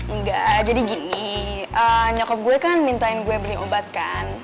engga jadi gini nyokap gue kan minta gue beli obat kan